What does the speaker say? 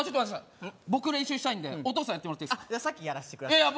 僕練習したいんでお父さんやってもらっていいですかじゃ先やらしてください